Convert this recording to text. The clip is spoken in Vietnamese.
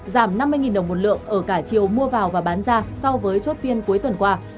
giảm năm mươi đồng một lượng ở cả chiều mua vào và bán ra so với chốt phiên cuối tuần qua